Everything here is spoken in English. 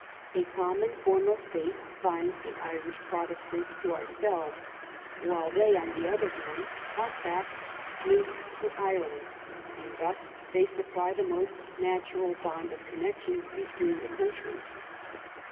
A common form of faith binds the Irish Protes tants to ourselves, while they, on the other hand, are fast linked to Ireland, and thus they supply the most natural bond of connection between the countries.